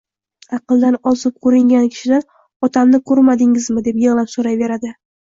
Aqldan ozib, koʻringan kishidan “Otamni koʻrmadingizmi?” deya yigʻlab soʻrayveradi.